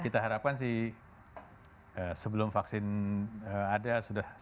kita harapkan sih sebelum vaksin ada sudah